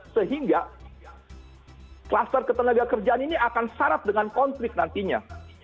sehingga kluster ketenaga kerjaan ini akan syarat dengan konflik nantinya